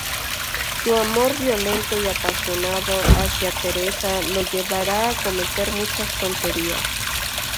Su amor violento y apasionado hacia Teresa lo llevara a cometer muchas tonterías.